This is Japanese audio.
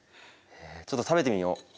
ちょっと食べてみよ。